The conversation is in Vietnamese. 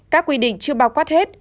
các quy định chưa bao quát hết